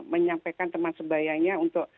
menyampaikan teman sebayanya untuk